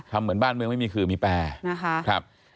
ทำเหมือนบ้านเมืองไม่มีคือมีแปร